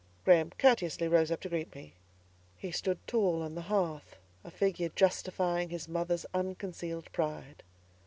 Graham courteously rose up to greet me. He stood tall on the hearth, a figure justifying his mother's unconcealed pride.